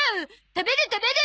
食べる食べる！